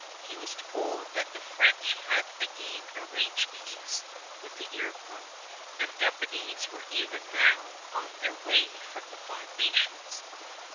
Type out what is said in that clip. He was told that the French had again arranged peace with the Iroquois, and deputies were even now on their way from the Five Nations.